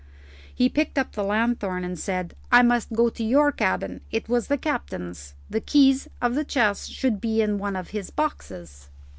He picked up the lanthorn and said, "I must go to your cabin: it was the captain's. The keys of the chests should be in one of his boxes."